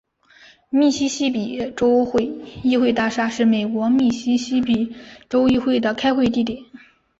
密西西比州议会大厦是美国密西西比州议会的开会地点。